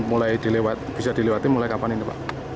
mulai bisa dilewati mulai kapan ini pak